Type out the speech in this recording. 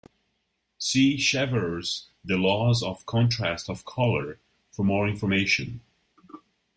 See Chevreul's "The Laws of Contrast of Colour" for more information.